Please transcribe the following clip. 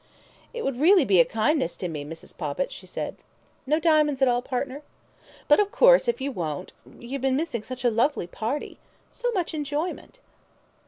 "It would really be a kindness to me, Mrs. Poppit," she said; "(No diamonds at all, partner?) but of course, if you won't You've been missing such a lovely party. So much enjoyment!"